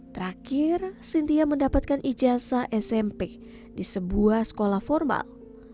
terakhir sintia mendapatkan ijazah smp di sebuah sekolah formal